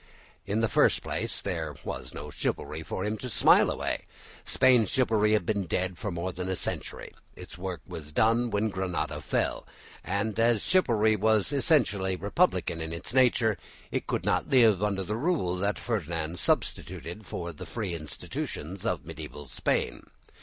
In the first place there was no chivalry for him to smile away. Spain's chivalry had been dead for more than a century. Its work was done when Granada fell, and as chivalry was essentially republican in its nature, it could not live under the rule that Ferdinand substituted for the free institutions of mediaeval Spain.